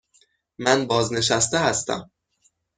من بازنشسته هستم.